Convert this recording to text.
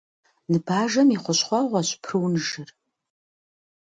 Ныбажэм и хущхъуэгъуэщ прунжыр.